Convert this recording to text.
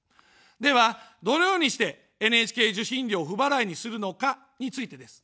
では、どのようにしてＮＨＫ受信料を不払いにするのかについてです。